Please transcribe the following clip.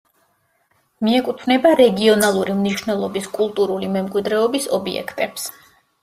მიეკუთვნება რეგიონალური მნიშვნელობის კულტურული მემკვიდრეობის ობიექტებს.